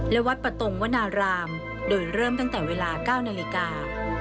และวัดปะตงวนารามโดยเริ่มตั้งแต่เวลา๙นาฬิกา